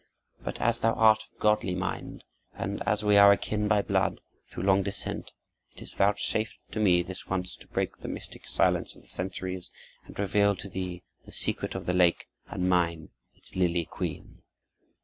But as thou art of godly mind and as we are akin by blood, through long descent, it is vouchsafed to me this once to break the mystic silence of the centuries, and to reveal to thee the secret of the lake, and mine, its lily queen.